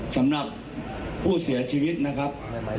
สำหรับผู้เสียชีวิตนะครับ